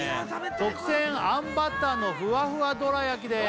特撰あんバターのふわふわどら焼きです